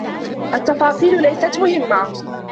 التفاصيل ليست مهمة.